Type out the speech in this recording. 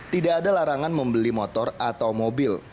tidak ada larangan membeli motor atau mobil